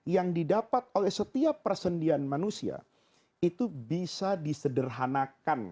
yang didapat oleh setiap persendian manusia itu bisa disederhanakan